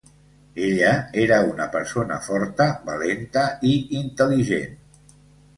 Ella era una persona forta, valenta i intel·ligent.